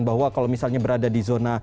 bahwa kalau misalnya berada di zona